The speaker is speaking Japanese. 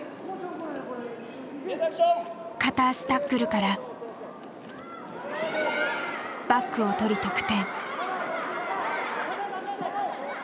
片足タックルからバックをとり得点。